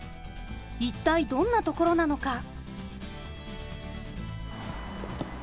一体どんなところなのか。